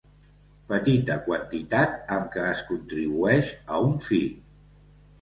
Petita quantitat amb què es contribueix a un fi.